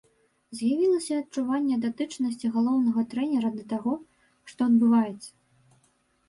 З'явілася адчуванне датычнасці галоўнага трэнера да таго, што адбываецца.